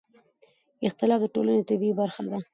اختلاف د ټولنې طبیعي برخه ده